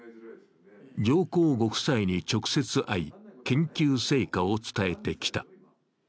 上皇ご夫妻に直接会い、研究成果を伝えてきた。